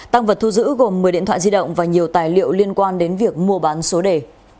tăng vật thu giữ gồm một mươi điện thoại di động và nhiều tài liệu liên quan đến việc mua bán số đề